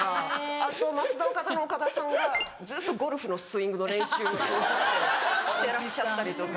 あとますだおかだの岡田さんがずっとゴルフのスイングの練習ずっとしてらっしゃったりとか。